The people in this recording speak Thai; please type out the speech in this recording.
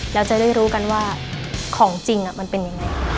แล้วจะได้รู้กันว่าของจริงมันเป็นยังไง